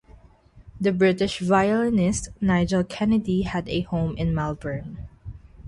The British violinist Nigel Kennedy had a home in Malvern.